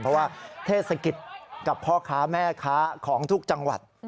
เพราะว่าเทศกิจกับพ่อค้าแม่ค้าของทุกจังหวัด